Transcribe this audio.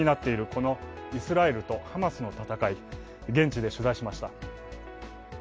このイスラエルとハマスの戦い、現地で取材しました。